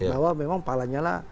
bahwa memang palanya lah